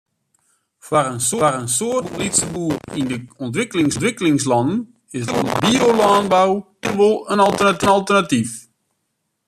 Foar in soad lytse boeren yn de ûntwikkelingslannen is biolânbou wier wol in alternatyf.